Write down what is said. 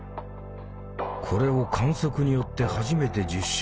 これを観測によって初めて実証した人物